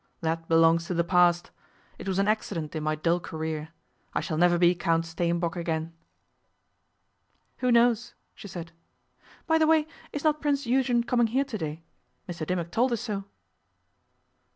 That belongs to the past. It was an accident in my dull career. I shall never be Count Steenbock again.' 'Who knows?' she said. 'By the way, is not Prince Eugen coming here to day? Mr Dimmock told us so.